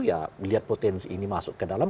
ya melihat potensi ini masuk ke dalam